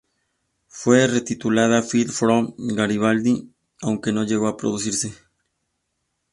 Fue retitulada "Fifth From Garibaldi", aunque no llegó a producirse.